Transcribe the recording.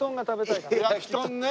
やきとんね。